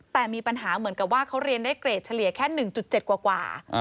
แต่มีปัญหาเหมือนกับว่าเขาเรียนได้เกรดเฉลี่ยแค่๑๗กว่า